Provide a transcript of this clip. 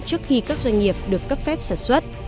trước khi các doanh nghiệp được cấp phép sản xuất